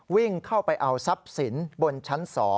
วิ่งเข้าไปเอาทรัพย์สินบนชั้น๒